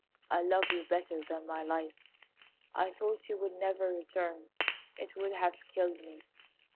I love you better than my life. I thought you would never return: it would have killed me.